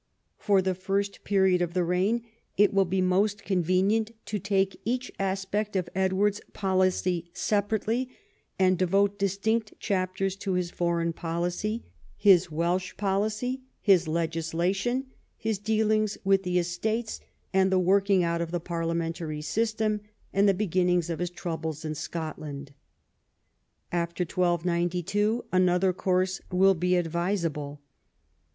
For the first period of the reign it will be most convenient to take each aspect of Edward's policy separately, and devote distinct chapters to his foreign policy, his Welsh policy, his legislation, his dealings with the estates and the working out of the parliamentary system, and the beginnings of his troubles in Scotland. After 1292 another course will be advisable.